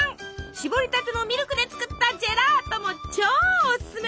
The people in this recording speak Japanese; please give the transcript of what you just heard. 搾りたてのミルクで作ったジェラートも超おすすめ。